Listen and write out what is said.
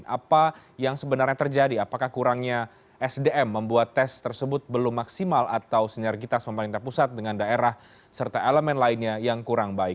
apa yang sebenarnya terjadi apakah kurangnya sdm membuat tes tersebut belum maksimal atau sinergitas pemerintah pusat dengan daerah serta elemen lainnya yang kurang baik